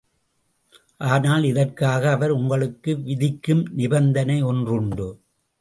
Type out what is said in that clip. ஆனால், இதற்காக அவர் உங்களுக்கு விதிக்கும் நிபந்தனை ஒன்றுண்டு.